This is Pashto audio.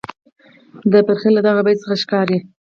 د فرخي له دغه بیت څخه ښکاري،